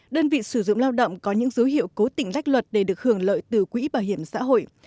đơn vị sử dụng lao động có những dấu hiệu cố tỉnh lách luật để được hưởng lợi từ quỹ bảo hiểm xã hội